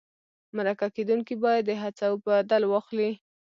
مرکه کېدونکی باید د هڅو بدل واخلي.